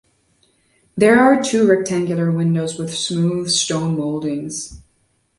There are two rectangular windows with smooth stone moldings.